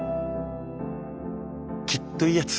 きっといいヤツ。